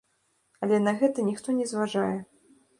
Але на гэта ніхто не зважае.